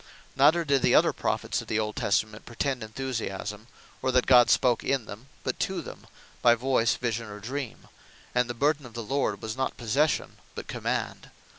Neither did the other Prophets of the old Testament pretend Enthusiasme; or, that God spake in them; but to them by Voyce, Vision, or Dream; and the Burthen Of The Lord was not Possession, but Command.